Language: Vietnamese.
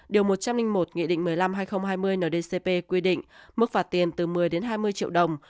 điều một trăm linh một nghị định một mươi năm hai nghìn hai mươi ndcp quy định mức phạt tiền từ một mươi đến hai mươi triệu đồng